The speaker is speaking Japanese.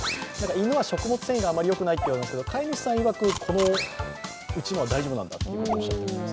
犬は食物繊維があまりよくないといわれますが飼い主さんいわく、うちのは大丈夫なんだとおっしゃっています。